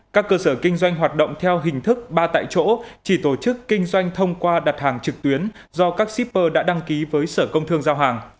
các cơ sở kinh doanh hoạt động theo hình thức ba tại chỗ chỉ tổ chức kinh doanh thông qua đặt hàng trực tuyến do các shipper đã đăng ký với sở công thương giao hàng